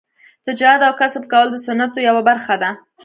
تجارت او کسب کول د سنتو یوه برخه ده.